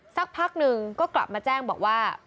สักพักหนึ่งก็กลับมาแจ้งบอกว่า